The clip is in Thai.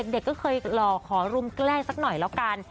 เด็กก็เคยหล่อขอรุมแกล้งสักหน่อยแล้วกัน